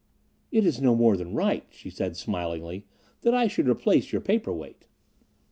"It is no more than right," she said smilingly, "that I should replace your paper weight."